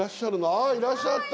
ああいらっしゃった。